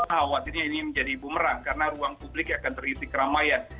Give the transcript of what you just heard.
khawatirnya ini menjadi bumerang karena ruang publik akan terisi keramaian